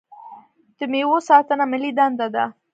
د میوو ساتنه ملي دنده ده.